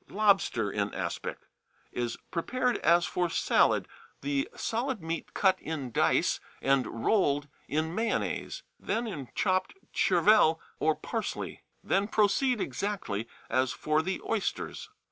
Lobster in Aspic is prepared as for salad, the solid meat cut in dice and rolled in mayonnaise, then in chopped chervil or parsley. Then proceed exactly as for the oysters.